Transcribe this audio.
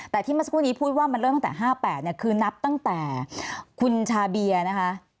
แต่ที่เมื่อสักครู่นี้พูดว่ามันเริ่มตั้งแต่๕๘เนี่ยคือนับตั้งแต่คุณชาเบียนะคะ